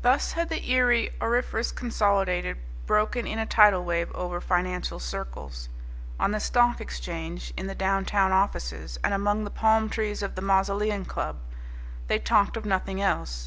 Thus had the Erie Auriferous Consolidated broken in a tidal wave over financial circles. On the Stock Exchange, in the downtown offices, and among the palm trees of the Mausoleum Club they talked of nothing else.